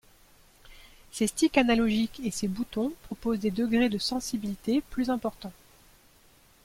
Ses sticks analogiques et ses boutons proposent des degrés de sensibilité plus importants.